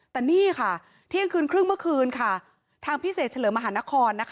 แต่นี่ค่ะเที่ยงคืนครึ่งเมื่อคืนค่ะทางพิเศษเฉลิมมหานคร